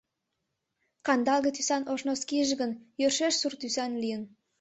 Кандалге тӱран ош носкиже гын йӧршеш сур тӱсан лийын.